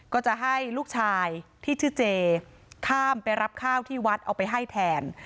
ก็จะให้ลูกชายที่ชื่อเจข้ามไปรับข้าวที่วัดเอาไปให้แทน